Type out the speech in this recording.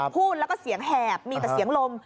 พูดแล้วก็เสียงแหบมีแต่เสียงลม